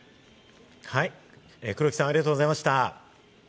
黒木さん、ありがとうございました。